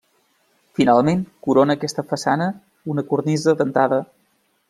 Finalment corona aquesta façana una cornisa dentada.